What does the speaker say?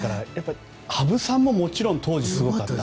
羽生さんももちろん、当時すごかった。